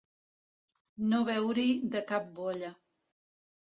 No veure-hi de cap bolla.